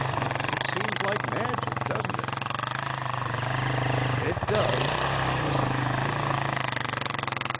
It seems like magic, doesn't it?" "It does," assented the Professor.